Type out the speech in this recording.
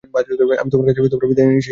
আমি তোমার কাছে বিদায় নিতে এসেছি, নেলি।